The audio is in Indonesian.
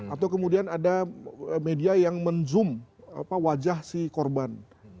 atau kemudian ada media yang men zoom wajah si korban